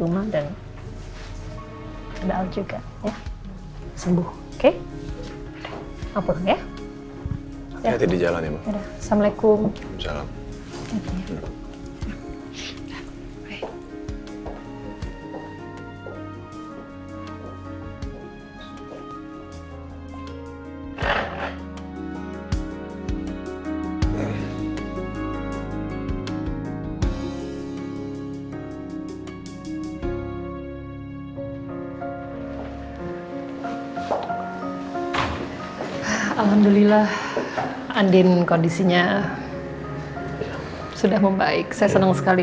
udah udah udah selesai